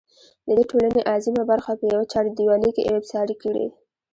د دې ټـولنې اعظـيمه بـرخـه پـه يـوه چـارديـوالي کـې اېـسارې کـړي.